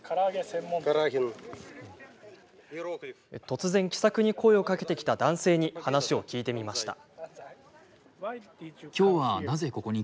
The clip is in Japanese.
突然、気さくに声をかけてきた男性に話を聞いてみました。